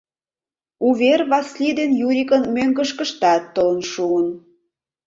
Увер Васлий ден Юрикын мӧҥгышкыштат толын шуын.